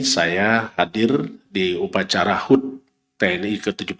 saya hadir di upacara hud tni ke tujuh puluh tiga